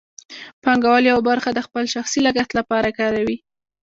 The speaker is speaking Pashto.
پانګوال یوه برخه د خپل شخصي لګښت لپاره کاروي